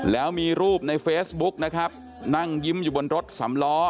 แล้วมีรูปในเฟซบุ๊กนะครับนั่งยิ้มอยู่บนรถสำล้อ